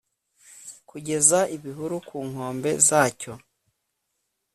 Kugeza ibihuru ku nkombe zacyo